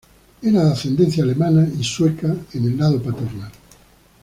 Era de ascendencia alemana y sueca en el lado paternal.